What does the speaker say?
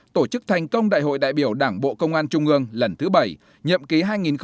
tổ chức thành công đại hội đại biểu đảng bộ công an trung ương lần thứ bảy nhậm ký hai nghìn hai mươi hai nghìn hai mươi năm